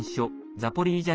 ザポリージャ